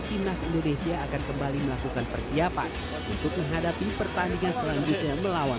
timnas indonesia akan kembali melakukan persiapan untuk menghadapi pertandingan selanjutnya melawan